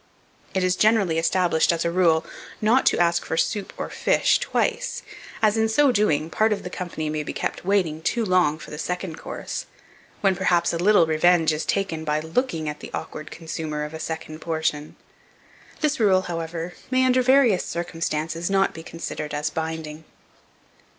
It is generally established as a rule, not to ask for soup or fish twice, as, in so doing, part of the company may be kept waiting too long for the second course, when, perhaps, a little revenge is taken by looking at the awkward consumer of a second portion. This rule, however, may, under various circumstances, not be considered as binding.